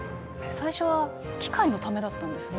最初は機械のためだったんですね。